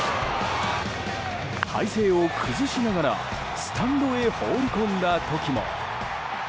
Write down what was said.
体勢を崩しながらスタンドへ放り込んだ時も。